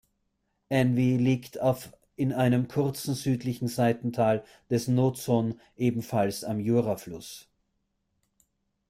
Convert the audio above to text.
Envy liegt auf in einem kurzen südlichen Seitental des Nozon, ebenfalls am Jurafuss.